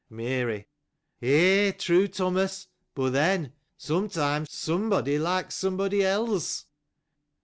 Mary. — Ay, true, Thomas : but then, sometimes, somebody likes somebody else.